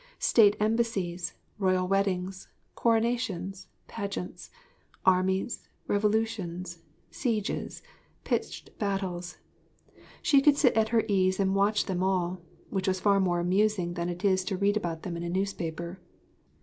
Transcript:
State embassies, royal weddings, coronations, pageants, armies, revolutions, sieges, pitched battles she could sit at her ease and watch them all, which was far more amusing than it is to read about them in a newspaper.